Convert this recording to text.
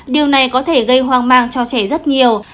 điều này có thể gây hoang mang cho trẻ rất nhiều